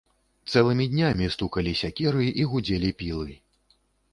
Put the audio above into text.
Цэлымі днямі стукалі сякеры і гудзелі пілы.